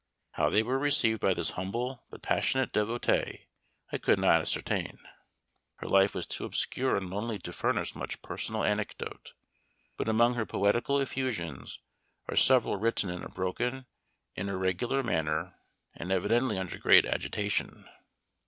How they were received by this humble but passionate devotee I could not ascertain; her life was too obscure and lonely to furnish much personal anecdote, but among her poetical effusions are several written in a broken and irregular manner, and evidently under great agitation.